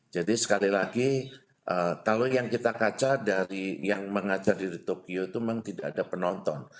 jadi sekali lagi kalau yang kita kaca dari yang mengajar diri tokyo itu memang tidak ada penonton